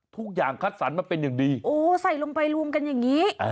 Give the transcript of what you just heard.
คัดสรรมาเป็นอย่างดีโอ้ใส่ลงไปรวมกันอย่างนี้